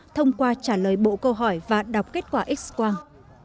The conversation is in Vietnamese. thông qua trả lời bộ câu hỏi và đọc kết quả x quang